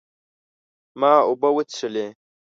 ما اوبه وڅښلې